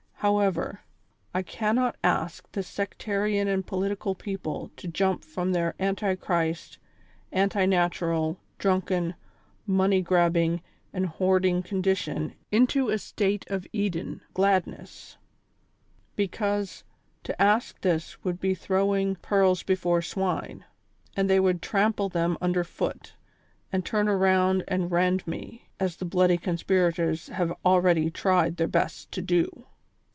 However, I cannot ask this sectarian and political people to jump from their anti Christ, anti natu ral, drunken, money grabbing and hoarding condition into a state of Eden gladness ; because, to ask this would be throwing "pearls before swine," and they would trample them under foot and turn around and rend me, as the bloody conspirators have already tried their best to do.